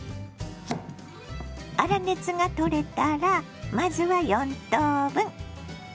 粗熱がとれたらまずは４等分。